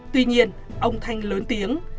tuy nhiên ông thanh lớn tiếng